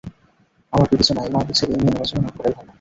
আমার বিবেচনায় না বুঝে এ নিয়ে নাড়াচাড়া না করাই ভালো।